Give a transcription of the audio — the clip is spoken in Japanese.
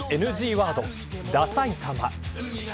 ワードダさいたま。